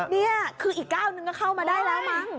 นี่คืออีกก้าวนึงก็เข้ามาได้แล้วมั้ง